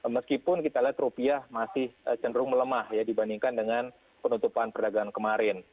meskipun kita lihat rupiah masih cenderung melemah dibandingkan dengan penutupan perdagangan kemarin